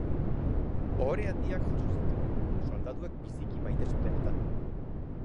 Ohore handiak jaso zituen, soldaduek biziki maite zuten eta.